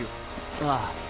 ああ。